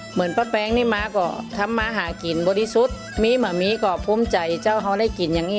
เหมือนป้าแปงนี่มาก็ทำมาหากินบริสุทธิ์มีมามีก็ภูมิใจเจ้าเขาได้กลิ่นอย่างนี้